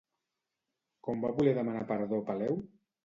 Com va voler demanar perdó Peleu?